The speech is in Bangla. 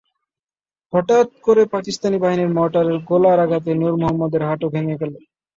হঠাৎ করে পাকিস্তানি বাহিনীর মর্টারের গোলার আঘাতে নূর মোহাম্মদের হাঁটু ভেঙে যায়।